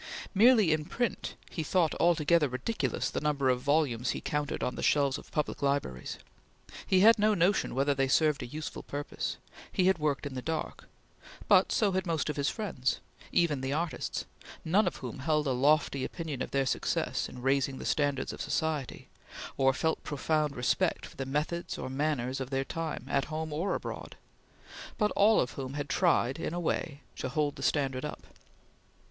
Merely in print, he thought altogether ridiculous the number of volumes he counted on the shelves of public libraries. He had no notion whether they served a useful purpose; he had worked in the dark; but so had most of his friends, even the artists, none of whom held any lofty opinion of their success in raising the standards of society, or felt profound respect for the methods or manners of their time, at home or abroad, but all of whom had tried, in a way, to hold the standard up.